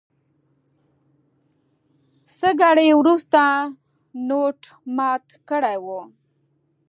څه ګړی وروسته نوټ مات کړی و.